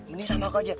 ini sama aku aja